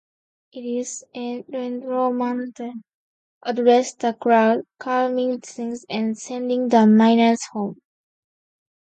Iliescu and Roman then addressed the crowd, calming things and sending the miners home.